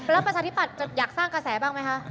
แล้วประชาธิปัตย์จะอยากสร้างกระแสบ้างไหมคะ